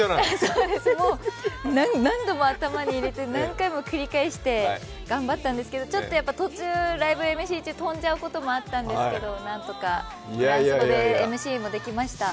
そうです、何度も頭に入れて何回も繰り返して頑張ったんですけどライブＭＣ中飛んじゃうこともあったんですけどなんとかフランス語でＭＣもできました。